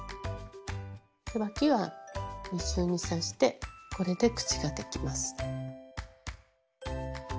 わきは２重に刺してこれで口ができます。